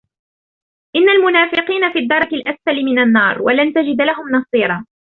إن المنافقين في الدرك الأسفل من النار ولن تجد لهم نصيرا